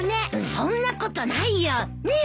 そんなことないよねえ